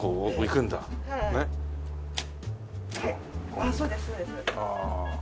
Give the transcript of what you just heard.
ああそうですそうです。ああ。